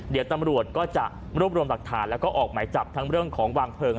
เดี๋ยวตำรวจก็จะรวบรวมหลักฐานแล้วก็ออกหมายจับทั้งเรื่องของวางเพลิง